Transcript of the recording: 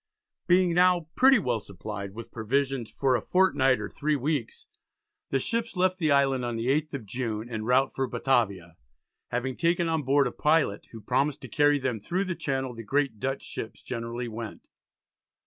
Being now "pretty well supplied" with provisions "for a fortnight or three weeks," the ships left the island on the 8th of June en route for Batavia, having taken on board a pilot who promised to carry them "through the Channel the great Dutch ships generally went."